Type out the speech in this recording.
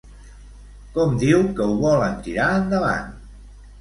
Com diu que ho volen tirar endavant?